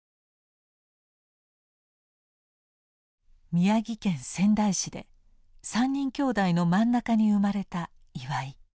宮城県仙台市で３人きょうだいの真ん中に生まれた岩井。